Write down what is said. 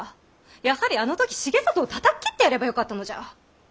やはりあの時重郷をたたっ斬ってやればよかったのじゃ！